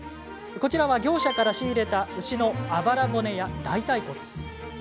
こちらは、業者から仕入れた牛のあばら骨や、大たい骨。